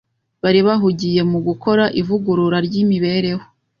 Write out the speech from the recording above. Bari bahugiye mu gukora ivugurura ry’imibereho.